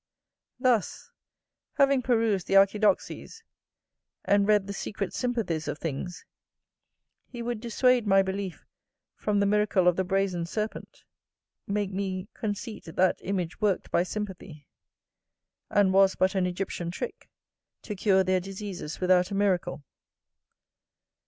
Thus, having perused the Archidoxes, and read the secret sympathies of things, he would dissuade my belief from the miracle of the brazen serpent; make me conceit that image worked by sympathy, and was but an Egyptian trick, to cure their diseases without a miracle.